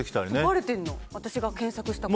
ばれてるの、私が検索したこと。